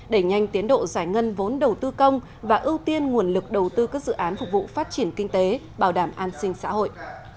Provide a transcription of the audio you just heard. đẩy nhanh tiến độ giải ngân vốn đầu tư công và ưu tiên nguồn lực đầu tư các dự án phục vụ phát triển kinh tế bảo đảm an sinh xã hội